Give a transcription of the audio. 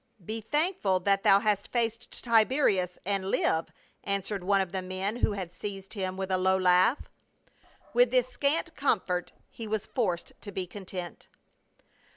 "Be thankful that thou hast faced Tiberius and live," answered one of the men who had seized him, with a low laugh. With this scant comfort he was forced to be content.